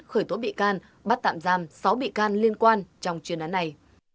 khởi tố bị can bắt tạm giam sáu bị can liên quan trong chuyên án này